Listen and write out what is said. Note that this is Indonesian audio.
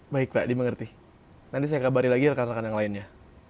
baik pak dimengerti nanti saya kabari lagi rekan rekan yang lainnya